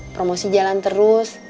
promosi jalan terus